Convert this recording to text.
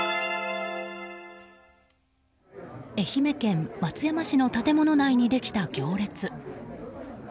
愛媛県松山市の建物内にできた行列。